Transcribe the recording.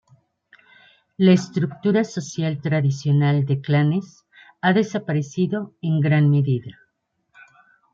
La estructura social tradicional de clanes ha desaparecido en gran medida.